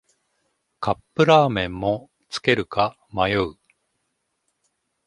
カップラーメンもつけるか迷う